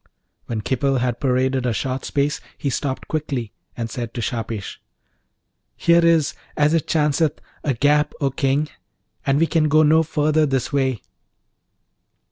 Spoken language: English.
When Khipil had paraded a short space he stopped quickly, and said to Shahpesh, 'Here is, as it chanceth, a gap, O King! and we can go no further this way.'